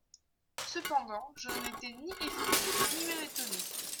Cependant, je n'en étais ni effrayé ni même étonné.